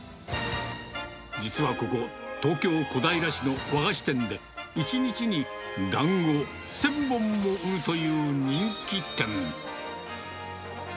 実はここ、東京・小平市の和菓子店で、１日にだんご１０００本も売るという人気店。